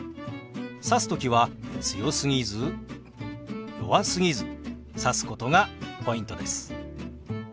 さす時は強すぎず弱すぎずさすことがポイントです。